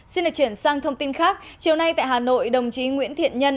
xin được chuyển sang thông tin khác chiều nay tại hà nội đồng chí nguyễn thiện nhân